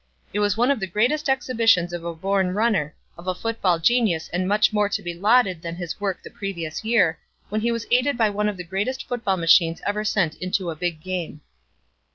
It was one of the greatest exhibitions of a born runner, of a football genius and much more to be lauded than his work the previous year, when he was aided by one of the greatest football machines ever sent into a big game."